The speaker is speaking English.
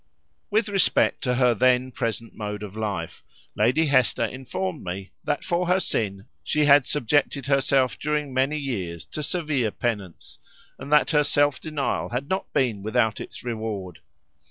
With respect to her then present mode of life, Lady Hester informed me, that for her sin she had subjected herself during many years to severe penance, and that her self denial had not been without its reward.